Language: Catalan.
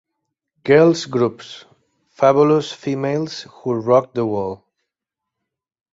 Girl Groups: Fabulous Females Who Rocked The World.